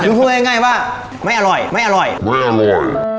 รู้สึกง่ายง่ายป่ะไม่อร่อยไม่อร่อยไม่อร่อย